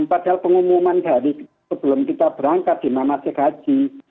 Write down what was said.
padahal pengumuman dari sebelum kita berangkat di mama sekaji